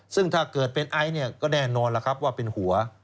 ซึ่งถ้าเกิดเป็นไอซ์เนี่ยก็แน่นอนล่ะครับว่าเป็นหัว